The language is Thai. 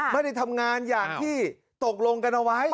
ไม่ได้ทำงานอย่างที่ตกลงกันเอาไว้